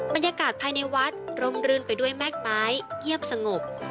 บรรยากาศภายในวัดร่มรื่นไปด้วยแม่กไม้เงียบสงบ